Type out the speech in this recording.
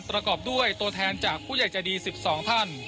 ประกอบด้วยตัวแทนจากผู้ใหญ่ใจดี๑๒ท่าน